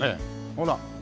ほら。